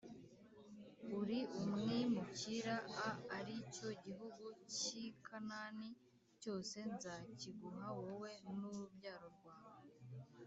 uri umwimukira a ari cyo gihugu cy i Kanani cyose nzakiguha wowe n urubyaro rwawe